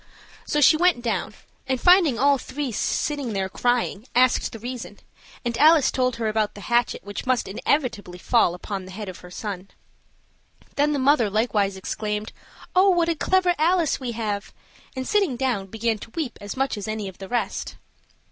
So she went down, and finding all three sitting there crying, asked the reason, and Alice told her about the hatchet which must inevitably fall upon the head of her son. Then the mother likewise exclaimed, "Oh, what a clever Alice we have!" and, sitting down, began to weep as much as any of the rest.